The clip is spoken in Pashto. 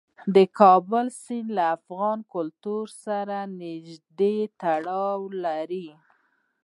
د کابل سیند له افغان کلتور سره نږدې تړاو لري.